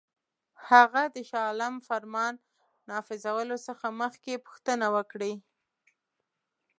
هغه د شاه عالم فرمان نافذولو څخه مخکي پوښتنه وکړي.